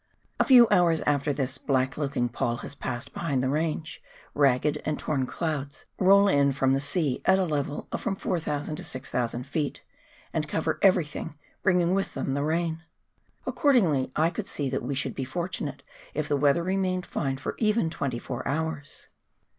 A few hours after this black looking pall has passed behind the range, ragged and torn clouds roll in from the sea at a level of from 4,000 to 6,000 ft. and cover everything, bringing with them the rain. Accordingly I could see that we should be fortunate if the weather remained fine for even twenty four hours.